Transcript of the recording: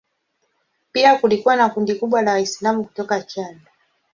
Pia kulikuwa na kundi kubwa la Waislamu kutoka Chad.